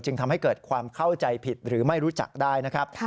ทำให้เกิดความเข้าใจผิดหรือไม่รู้จักได้นะครับ